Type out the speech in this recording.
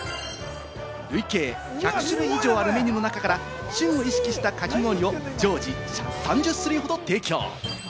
累計１００種類以上あるメニューの中から、旬を意識したかき氷を常時３０種類ほど提供。